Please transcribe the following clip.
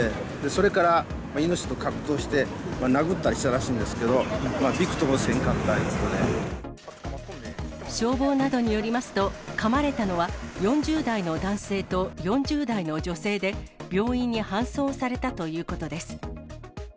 それからイノシシと格闘して殴ったりしたらしいんですけど、消防などによりますと、かまれたのは４０代の男性と４０代の女性で、病院に搬送されたということです。